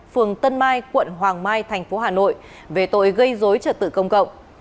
phường tân mai quận hoàng mai tp hcm về tội gây dối trợ tự công cộng